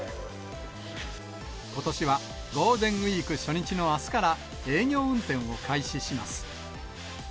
ことしはゴールデンウィーク初日のあすから、営業運転を開始します。